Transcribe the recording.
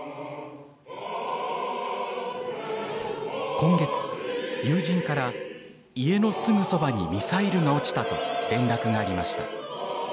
今月、友人から家のすぐそばにミサイルが落ちたと連絡がありました。